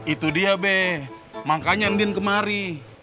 itu dia be makanya andin kemari